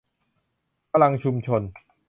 พลังชุมชน